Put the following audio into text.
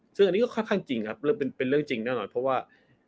ซึ่งอันนี้ก็ค่อนข้างจริงครับเป็นเรื่องจริงแน่นอนเพราะว่า